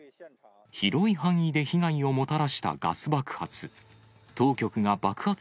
広い範囲で被害をもたらしたガス爆発。